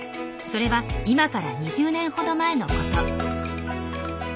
それは今から２０年ほど前のこと。